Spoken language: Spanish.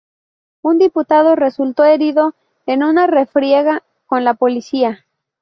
Un diputado resultó herido en una refriega con la policía.